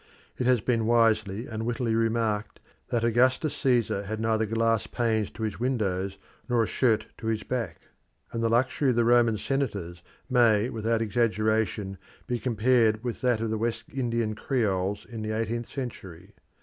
It has been wisely and wittily remarked that Augustus Caesar had neither glass panes to his windows nor a shirt to his back, and the luxury of the Roman senators may without exaggeration be compared with that of the West Indian creoles in the eighteenth century.